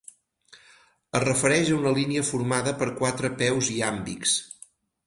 Es refereix a una línia formada per quatre peus iàmbics.